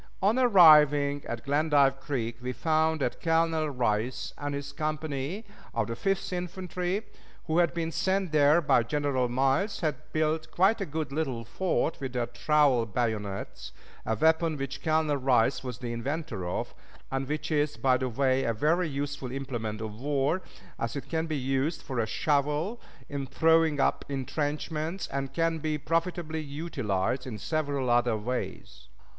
On arriving at Glendive Creek we found that Colonel Rice and his company of the Fifth Infantry, who had been sent there by General Miles, had built quite a good little fort with their trowel bayonets, a weapon which Colonel Rice was the inventor of, and which is, by the way, a very useful implement of war, as it can be used for a shovel in throwing up intrenchments, and can be profitably utilized in several other ways.